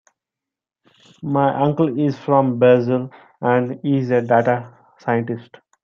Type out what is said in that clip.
My uncle is from Brazil and he is a data scientist.